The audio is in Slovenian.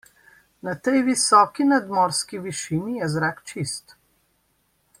Na tej visoki nadmorski višini je zrak čist.